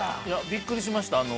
◆びっくりしました。